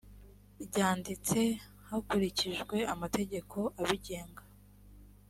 ryanditse hakurikijwe amategeko abigenga